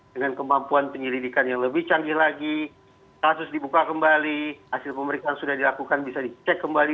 dengan kemampuan penyelidikan yang lebih canggih lagi kasus dibuka kembali hasil pemeriksaan sudah dilakukan bisa dicek kembali